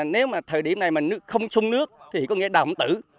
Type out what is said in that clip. nếu mà thời điểm này mà không sung nước thì có nghĩa là đàm tử